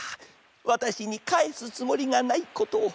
わたしにかえすつもりがないことを。